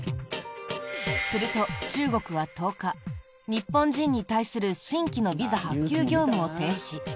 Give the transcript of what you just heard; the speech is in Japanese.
すると、中国は１０日日本人に対する新規のビザ発給業務を停止。